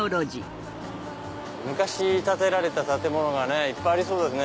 昔建てられた建物がねいっぱいありそうですね。